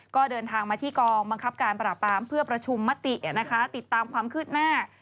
ก็เดินทางมาที่กองบังคับการปราบปรามเพื่อประชุมมตินะคะติดตามความคืบหน้า